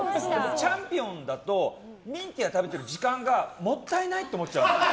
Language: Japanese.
チャンピオンだとミンティア食べてる時間がもったいないと思っちゃうの。